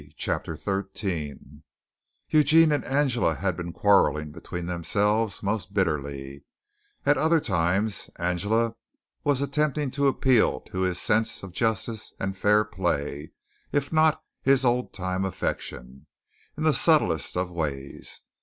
CHAPTER XIII Eugene and Angela had been quarreling between themselves most bitterly; at other times Angela was attempting to appeal to his sense of justice and fair play, if not his old time affection, in the subtlest of ways.